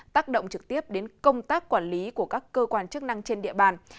tác động trực tiếp đến công tác quản lý của các cơ quan chức năng trên địa bàn